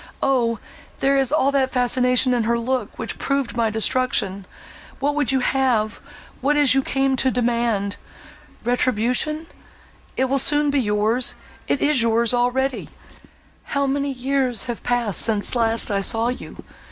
Oh! there is all that fascination in her look, which proved my destruction! What would you have—what is it you came to demand—Retribution?—It will soon be yours—it is yours already. How many years have passed, since last I saw you!